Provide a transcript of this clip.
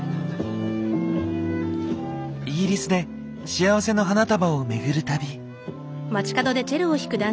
イギリスで幸せの花束をめぐる旅。